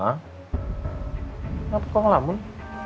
kenapa kau ngelamun